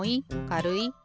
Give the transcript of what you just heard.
かるい？